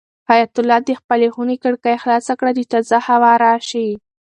حیات الله د خپلې خونې کړکۍ خلاصه کړه چې تازه هوا راشي.